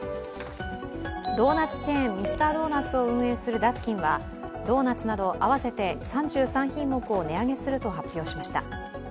ドーナツチェーン・ミスタードーナツを運営するダスキンはドーナツなど合わせて３３品目を値上げすると発表しました。